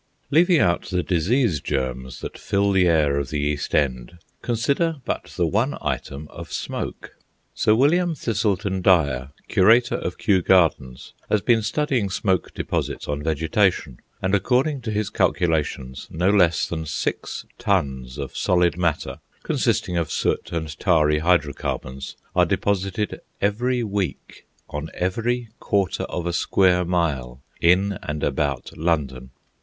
Leaving out the disease germs that fill the air of the East End, consider but the one item of smoke. Sir William Thiselton Dyer, curator of Kew Gardens, has been studying smoke deposits on vegetation, and, according to his calculations, no less than six tons of solid matter, consisting of soot and tarry hydrocarbons, are deposited every week on every quarter of a square mile in and about London.